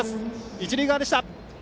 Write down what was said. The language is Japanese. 一塁側でした。